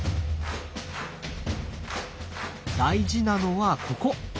大事なのはここ！